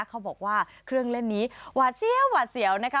เขาบอกว่าเครื่องเล่นนี้หวาดเสียวหวาดเสียวนะคะ